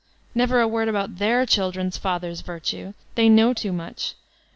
Never a word about their children's fathers' virtue, they know too much!